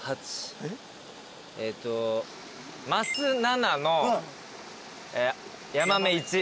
えっとマス７のヤマメ１。